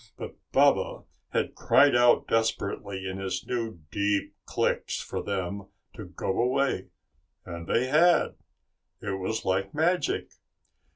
But Baba had cried out desperately in his new deep clicks for them to go away and they had. It was like magic.